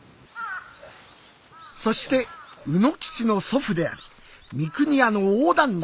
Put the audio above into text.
そして卯之吉の祖父である三国屋の大旦那